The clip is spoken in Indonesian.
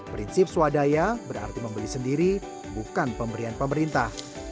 prinsip swadaya berarti membeli sendiri bukan pemberian pemerintah